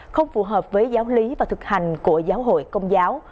không phù hợp với giáo lý và thực hành của giáo hội công giáo